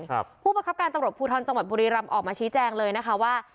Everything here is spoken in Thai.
ผู้ประคับการตำรวจภูทรจังหวัดบุรีรำออกมาชี้แจงเลยนะคะว่า